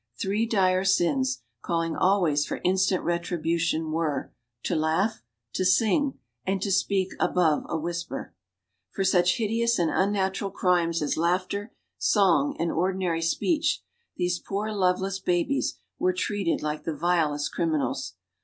Three dire sins, calling always for instant retribution, were: "To laugh, to sing, and to speak above a whis per." For such hideous and unnatural crimes as laughter, song, and ordinary speech, these poor love less babies were treated like the vilest criminals.